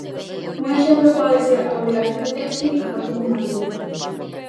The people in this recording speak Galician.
Un exemplo pode ser a fabricación de téxtil a partir de madeira.